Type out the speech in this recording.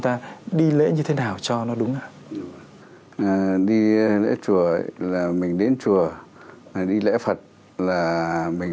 ta đi lễ như thế nào cho nó đúng là đi lễ chùa là mình đến chùa đi lễ phật là mình